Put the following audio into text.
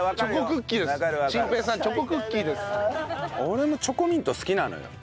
俺もチョコミント好きなのよ。